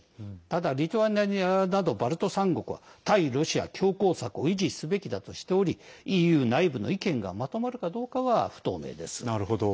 ただリトアニアなどバルト３国は対ロシア強攻策を維持すべきだとしておりＥＵ内部の意見がまとまるかどうかは不透明です。